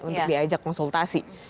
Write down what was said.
untuk diajak konsultasi